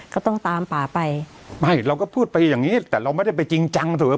ก็ต้องตามป่าไปไม่เราก็พูดไปอย่างงี้แต่เราไม่ได้ไปจริงจังถูกไหม